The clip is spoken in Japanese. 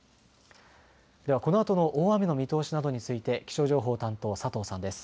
ではこのあとの大雨の見通しなどについて気象情報担当佐藤さんです。